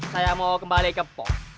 saya mau kembali ke pop